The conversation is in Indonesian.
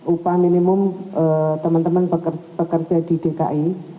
upah minimum teman teman pekerja di dki